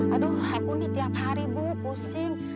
aduh ini tiap hari bu pusing